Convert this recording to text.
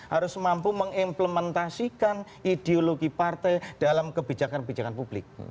harus mampu mengimplementasikan ideologi partai dalam kebijakan kebijakan publik